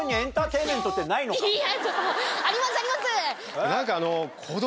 いやちょっとありますあります！